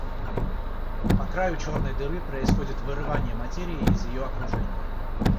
По краю черной дыры происходит вырывание материи из ее окружения.